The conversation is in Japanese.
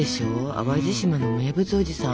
淡路島の名物おじさん。